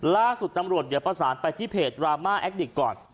ล่าสุดตำรวจเดี๋ยวประสานไปที่เพจดราม่าแอคดิกก่อน